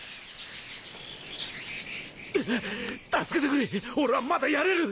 助けてくれ俺はまだやれる！